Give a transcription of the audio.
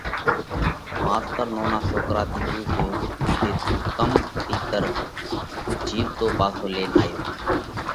ماستر نونا سوڪرا ٿِي پونسيو: جي تُون ڪم تِيتر جِيوَتو پاسو لينَ آيو؟